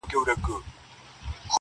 o خو زړه کي سيوری شته تل,